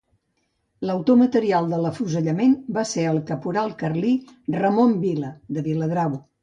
L'autor material de l'afusellament va ser el caporal carlí Ramon Vila, de Viladrau.